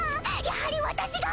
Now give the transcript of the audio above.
やはり私が。